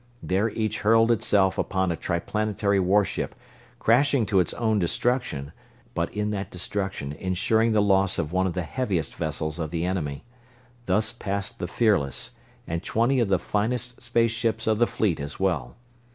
There each hurled itself upon a Triplanetary warship, crashing to its own destruction, but in that destruction insuring the loss of one of the heaviest vessels of the enemy. Thus passed the Fearless, and twenty of the finest space ships of the fleet as well.